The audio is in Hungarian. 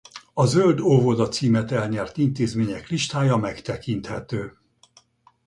A Zöld óvoda címet elnyert intézmények listája megtekinthető.